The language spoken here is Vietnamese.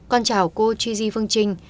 con chào cô chizy phương trinh